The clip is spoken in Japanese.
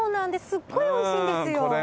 すごい美味しいんですよ。